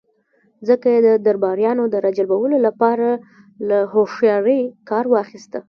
ځکه يې د درباريانو د را جلبولو له پاره له هوښياری کار واخيست.